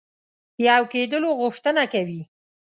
یو کېدلو غوښتنه کوي.